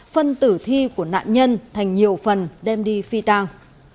phân tử thi của nạn nhân thành nhiều phần đem đi phi tàng